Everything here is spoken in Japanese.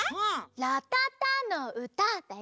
「らたたのうた」だよ！